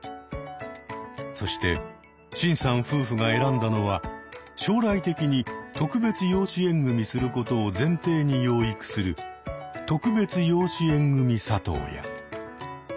そしてシンさん夫婦が選んだのは将来的に特別養子縁組することを前提に養育する「特別養子縁組里親」。